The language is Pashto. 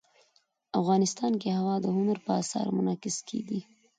افغانستان کې هوا د هنر په اثار کې منعکس کېږي.